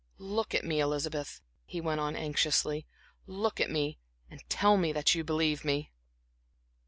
"Look at me, Elizabeth," he went on anxiously, "look at me, and tell me that you believe me."